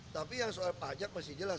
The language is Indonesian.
tapi yang soal pajak masih jelas